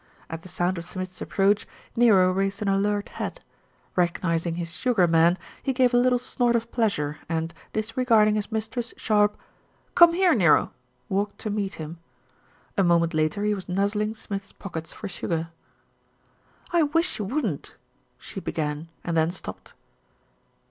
At the sound of Smith's approach, Nero raised an alert head. Recognising his Sugar Man, he gave a little snort of pleasure and, disregarding his mistress' sharp "Come here, Nero," walked to meet him. A moment later he was nuzzling Smith's pockets for sugar. "I wish you wouldn't " she began, and then stopped.